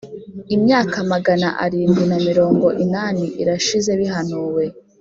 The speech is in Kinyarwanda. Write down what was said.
Imyaka magana arindwi na mirongo inani irashize bihanuwe